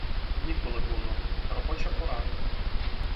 Ніколи було, робоча пора.